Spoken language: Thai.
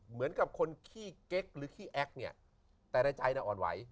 เหมือนกับคนขี้เก๊กหรือขี้แอ๊กเนี่ยแต่ในใจน่ะอ่อนไหว